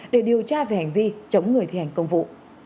để điều tra về hành vi chống người thi hành công vụ